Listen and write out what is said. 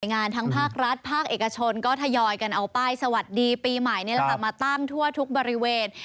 งานทั้งภาครัฐภาคเอกชนก็ทยอยกันเอาป้ายสวัสดีปีใหม่นี่แหละค่ะมาตั้งทั่วทุกบริเวณ